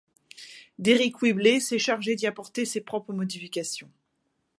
Deryck Whibley s'est chargé d'y apporter ses propres modifications.